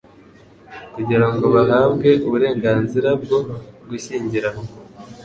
kugira ngo bahabwe uburenganzira bwo gushyingiranwa.